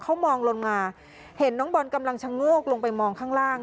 เขามองลงมาเห็นน้องบอลกำลังชะโงกลงไปมองข้างล่าง